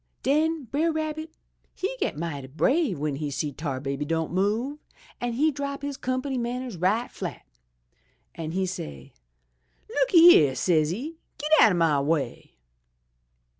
"Den Brer Rabbit he get mighty brave w'en he see Tar Baby don' move, an' he drop his comp'ny mannehs right flat, an' he say, 'Look yere,' says'e, 'Get out o' my way!'